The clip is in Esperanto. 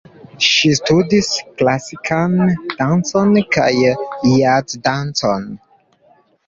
Ŝi studis klasikan dancon kaj jazz-dancon.